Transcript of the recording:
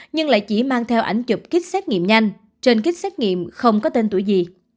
nhưng lại chỉ mang theo ảnh chụp kích xét nghiệm nhanh trên kích xét nghiệm không có tên tuổi gì